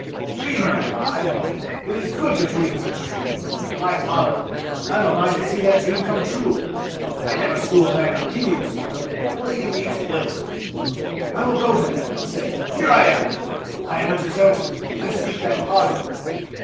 "Dreamer, am I? It is good to dream such dreams. By Allah, I've a mind to see that dream come true! I never slew a man on Indian soil, only in these 'Hills.' I will go to them and say 'Here I am! I am a deserter. I seek that pardon!'